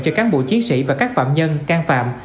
điều trị bệnh cho cán bộ chiến sĩ và các phạm nhân can phạm